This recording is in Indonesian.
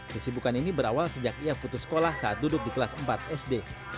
kesibukan ini berawal sejak ia putus sekolah saat duduk di kelas empat sd